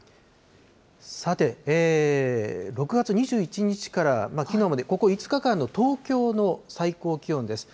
さて、６月２１日からきのうまで、ここ５日間の東京の最高気温です。